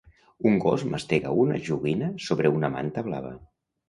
Un gos mastega una joguina sobre una manta blava.